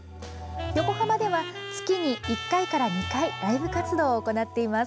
横浜では、月に１回から２回ライブ活動を行っています。